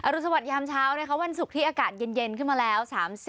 อรุณสวัสดีค่ะวันศุกร์ที่อากาศเย็นขึ้นมาแล้ว